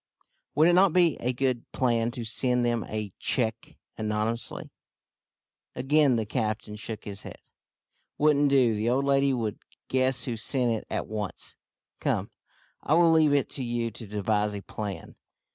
"Would it not be a good plan to send them a cheque anonymously?" Again the captain shook his head. "Wouldn't do. The old lady would guess who sent it at once. Come, I will leave it to you to devise a plan.